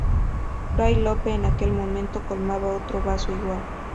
fray Lope, en aquel momento, colmaba otro vaso igual: